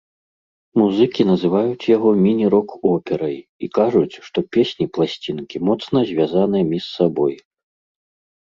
Музыкі называюць яго міні-рок-операй і кажуць, што песні пласцінкі моцна звязаныя між сабой.